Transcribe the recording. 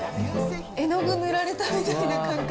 絵の具塗られたみたいな感覚。